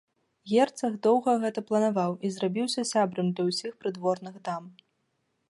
Герцаг доўга гэта планаваў і зрабіўся сябрам для ўсіх прыдворных дам.